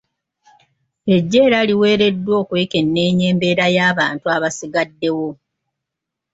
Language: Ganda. Eggye era liweereddwa okwekenneenya embeera y'abantu abasigaddewo.